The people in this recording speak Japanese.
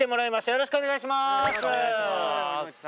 よろしくお願いします